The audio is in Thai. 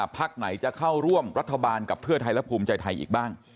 พักไหนจะเข้าร่วมรัฐบาลกับเพื่อไทยและภูมิใจไทยอีกบ้าง